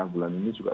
bulan ini juga